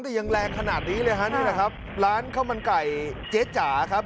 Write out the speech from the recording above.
แต่ยังแรงขนาดนี้เลยฮะนี่แหละครับร้านข้าวมันไก่เจ๊จ๋าครับ